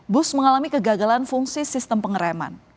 bus mengalami kegagalan fungsi sistem pengereman